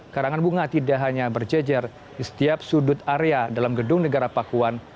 karangan bunga tidak hanya berjejer di setiap sudut area dalam gedung negara pakuan